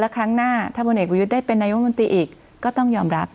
ครั้งหน้าถ้าพลเอกประยุทธ์ได้เป็นนายกมนตรีอีกก็ต้องยอมรับ